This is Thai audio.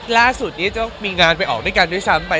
ล่าสุดนี้ก็มีงานไปออกด้วยกันด้วยซ้ำไป